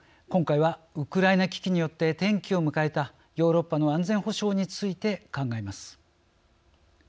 今回はウクライナ危機によって転機を迎えたヨーロッパの安全保障について考えます。